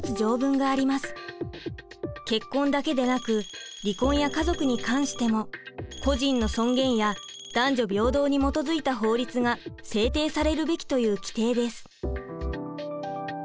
結婚だけでなく離婚や家族に関しても個人の尊厳や男女平等に基づいた法律が制定されるべきという規定です。